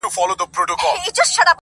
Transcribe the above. • بيا يوازيتوب دی بيا هغه راغلې نه ده.